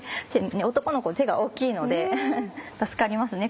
男の子手が大きいので助かりますね。